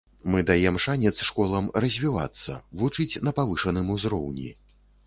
Мы даем шанец школам развівацца, вучыць на павышаным узроўні.